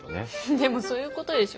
でもそういうことでしょ？